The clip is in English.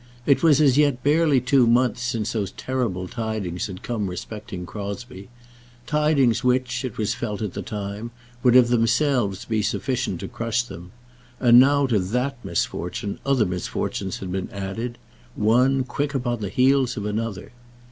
It was as yet barely two months since those terrible tidings had come respecting Crosbie; tidings which, it was felt at the time, would of themselves be sufficient to crush them; and now to that misfortune other misfortunes had been added, one quick upon the heels of another.